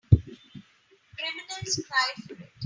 Criminals cry for it.